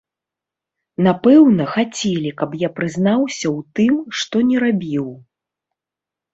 Напэўна, хацелі, каб я прызнаўся ў тым, што не рабіў.